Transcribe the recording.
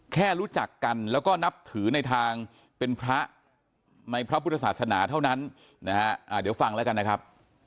แค่รู้จักกันแล้วก็นับถือในทางเป็นพระในพระพุทธศาสนาเท่านั้นนะฮะเดี๋ยวฟังแล้วกันนะครับ